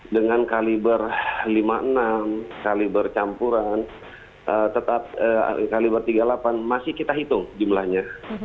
dengan kaliber lima enam kaliber campuran tetap kaliber tiga delapan masih kita hitung jumlahnya